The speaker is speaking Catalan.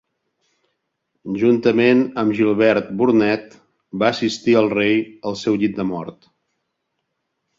Juntament amb Gilbert Burnet va assistir al rei al seu llit de mort.